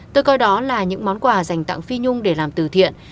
tôi coi đó là những món quà dành tặng phi nhung để làm từ thiện